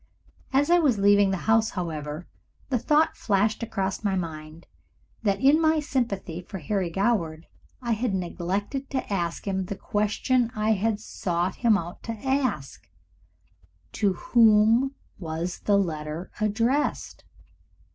As I was leaving the house, however, the thought flashed across my mind that in my sympathy for Harry Goward I had neglected to ask him the question I had sought him out to ask, "To whom was the letter addressed?"